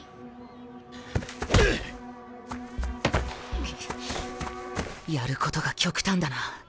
心の声やることが極端だな。